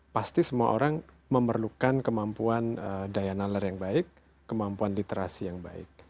pasti semua orang memerlukan kemampuan daya nalar yang baik kemampuan literasi yang baik